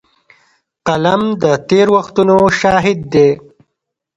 قلم د تېر وختونو شاهد دی